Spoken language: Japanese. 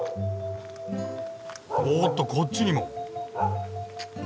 おっとこっちにも。